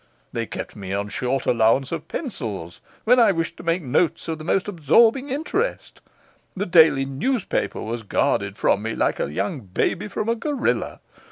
They kept me on short allowance of pencils, when I wished to make notes of the most absorbing interest; the daily newspaper was guarded from me like a young baby from a gorilla.